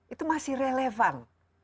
itu masih relevan